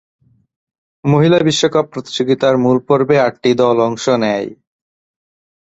মহিলা বিশ্বকাপ প্রতিযোগিতার মূল পর্বে আটটি দল অংশ নেয়।